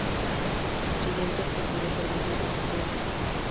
Su siguiente objetivo es el mismo Castillo Negro.